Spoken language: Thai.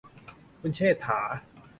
คุณเชษฐา